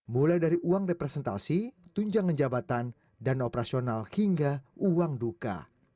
mulai dari uang representasi tunjangan jabatan dan operasional hingga uang duka